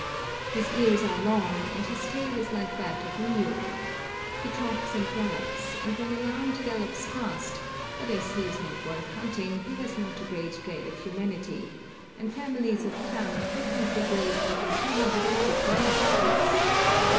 His ears are long, and his tail is like that of a mule. He trots and gallops, and when alarmed gallops fast, but as he is not worth hunting, he has not a great dread of humanity, and families of kyang frequently grazed within two hundred and fifty yards of us.